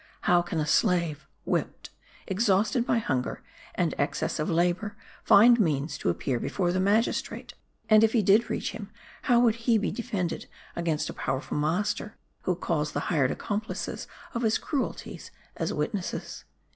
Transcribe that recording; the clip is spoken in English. How can a slave, whipped, exhausted by hunger, and excess of labour, find means to appear before the magistrate? and if he did reach him, how would he be defended against a powerful master who calls the hired accomplices of his cruelties as witnesses."